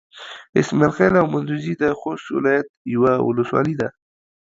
اسماعيل خېل او مندوزي د خوست ولايت يوه ولسوالي ده.